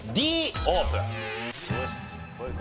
Ｄオープン。